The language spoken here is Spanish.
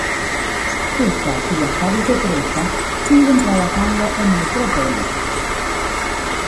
Ella y las Aves de Presa siguen trabajando en Metrópolis.